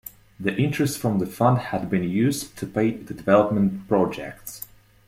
The interest from the fund had been used to pay for development projects.